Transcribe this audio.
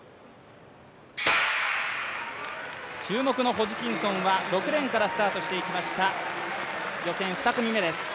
注目のホジキンソンは６レーンからスタートしていきました、予選２組目です。